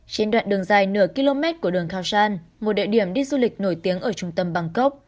trên đoạn đường dài nửa km của đường kausan một địa điểm đi du lịch nổi tiếng ở trung tâm bangkok